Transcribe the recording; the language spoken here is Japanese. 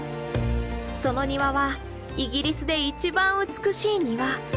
その庭はイギリスで一番美しい庭。